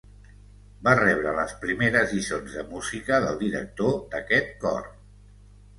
Va rebre les primeres lliçons de música del director d'aquest cor.